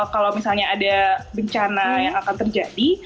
kalau misalnya ada bencana yang akan terjadi